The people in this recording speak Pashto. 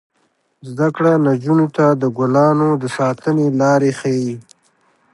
زده کړه نجونو ته د ګلانو د ساتنې لارې ښيي.